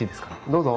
どうぞ。